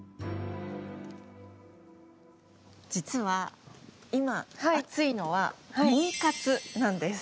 実は今、熱いのはモン活なんです。